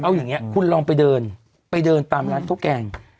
เอาอย่างนี้คุณลองไปเดินไปเดินตามร้านข้าวแกง